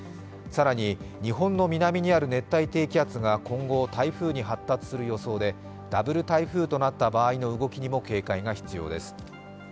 更に日本の南にある熱帯低気圧が今後、台風に発達する予想でダブル台風となった場合の動きにも警戒が必要です。